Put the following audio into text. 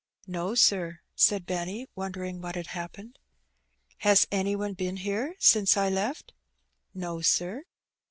"No, sir," said Benny, wondering what had happened. "Has any one been here since I left?" "No, sir."